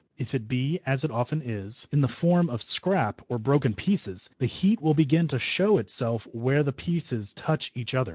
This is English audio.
If it be, as it often is, in the form of scrap, or broken pieces, the heat will begin to show itself where the pieces touch each other.